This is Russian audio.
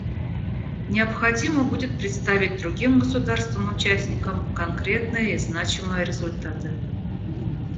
Необходимо будет представить другим государствам-участникам конкретные и значимые результаты.